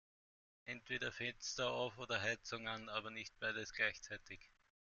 Entweder Fenster auf oder Heizung an, aber nicht beides gleichzeitig!